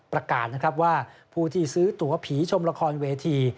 ประกาศนะครับว่าผู้ที่ซื้อตัวผีชมละครเวที